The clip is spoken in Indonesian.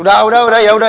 udah udah udah yaudah